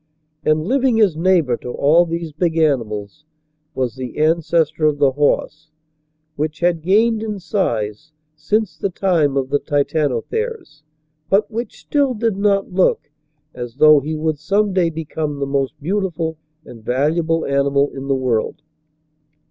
And, living as neighbor to all these big animals, was the ancestor of the horse, which had gained in size 108 MIGHTY ANIMALS since the time of the Titanotheres, but which still did not look as though he would some day become the most beautiful and valuable animal in the world.